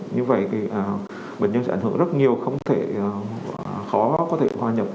như vậy thì bệnh nhân sẽ ảnh hưởng rất nhiều không thể khó có thể hòa nhập